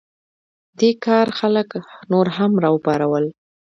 دې کار خلک نور هم راوپارول.